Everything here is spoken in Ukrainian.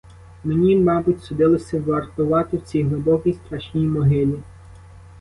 Мені, мабуть, судилося вартувати в цій глибокій, страшній могилі.